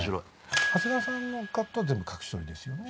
長谷川さんのカットは全部隠し撮りですよね。